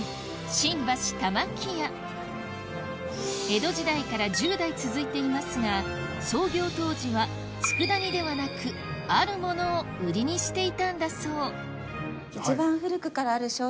江戸時代から１０代続いていますが創業当時は佃煮ではなくあるものを売りにしていたんだそうざぜん豆？